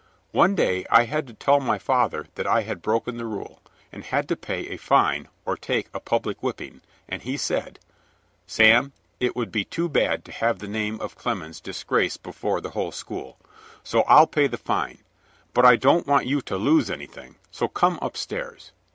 One day I had to tell my father that I had broken the rule, and had to pay a fine or take a public whipping; and he said: "'Sam, it would be too bad to have the name of Clemens disgraced before the whole school, so I'll pay the fine. But I don't want you to lose anything, so come upstairs.'